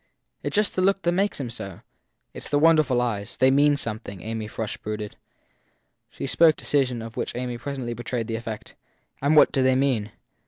It s just the look that makes him so. It s the wonderful eyes. They mean something, 3 Amy Frush brooded. She spoke with a decision of which Susan presently betrayed the effect. And what do they mean?